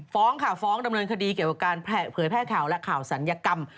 ฟ้องค่ะฟ้องดำเนินคดีเกี่ยวกับการเผยแพร่ข่าวและข่าวศัลยกรรม